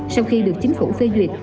sau khi được chính phủ phê duyệt